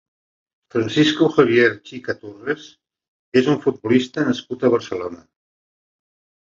Francisco Javier Chica Torres és un futbolista nascut a Barcelona.